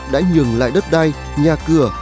đã nhường lại đất đai nhà cửa